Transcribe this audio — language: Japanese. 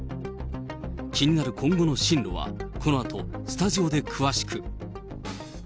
気になる今後の進路は、このあと、スタジオで詳しく。